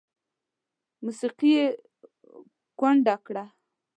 موسیقي یې کونډه کړه